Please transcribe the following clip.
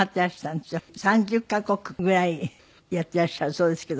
３０カ国ぐらいやっていらっしゃるそうですけど。